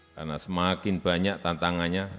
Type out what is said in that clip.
karena semakin banyak tantangannya